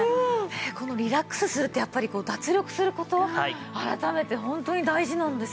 このリラックスするってやっぱり脱力する事改めてホントに大事なんですね。